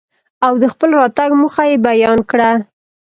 او دخپل راتګ موخه يې بيان کره.